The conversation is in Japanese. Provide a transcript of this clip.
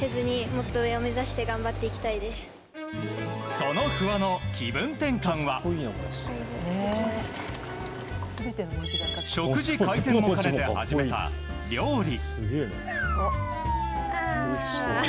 その不破の気分転換は食事改善も兼ねて始めた料理。